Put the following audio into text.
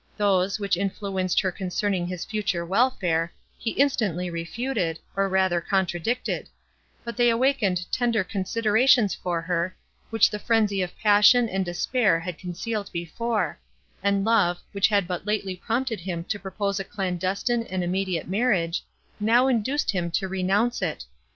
Those, which influenced her concerning his future welfare, he instantly refuted, or rather contradicted; but they awakened tender considerations for her, which the frenzy of passion and despair had concealed before, and love, which had but lately prompted him to propose a clandestine and immediate marriage, now induced him to renounce it.